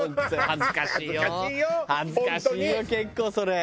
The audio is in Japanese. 恥ずかしいよ結構それ。